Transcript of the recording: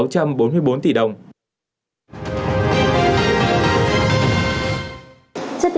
chất tiêu số